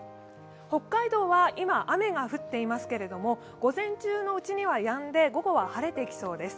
北海道は今、雨が降っていますけれども、午前中のうちにはやんで午後は晴れてきそうです。